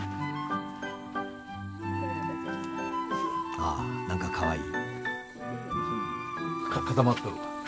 ああ何かかわいい。